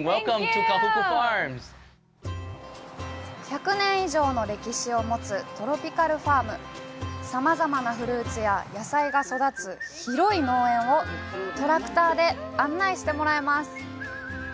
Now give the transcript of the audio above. １００年以上の歴史を持つトロピカルファームさまざまなフルーツや野菜が育つ広い農園をトラクターで案内してもらいます